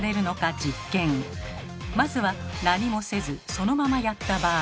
まずは何もせずそのままやった場合。